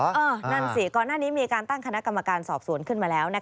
นั่นสิก่อนหน้านี้มีการตั้งคณะกรรมการสอบสวนขึ้นมาแล้ว